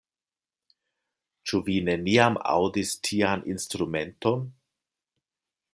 Ĉu vi neniam aŭdis tian instrumenton?